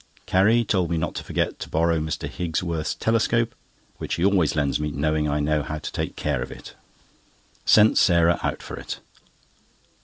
Carrie told me not to forget to borrow Mr. Higgsworth's telescope, which he always lends me, knowing I know how to take care of it. Sent Sarah out for it.